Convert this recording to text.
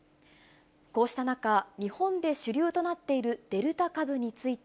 こうした中、日本で主流となっているデルタ株について、